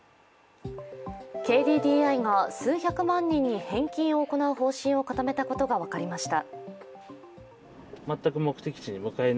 ＫＤＤＩが数百万人に返金を行う方針を固めたことが分かりました。